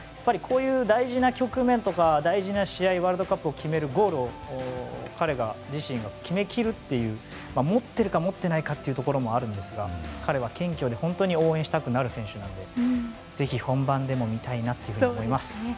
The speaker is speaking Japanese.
こういう大事な局面や大事な試合でワールドカップを決めるゴールを彼自身が決めきるっていう持っているか持っていないかというところもあるんですが彼は謙虚で応援したくなる選手なのでぜひ、本番でも見たいなと思います。